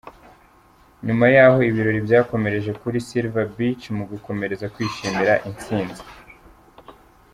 Nyuma yaho ibirori byakomereje kuri Silver beach mu gukomereza kwishimira intsinzi.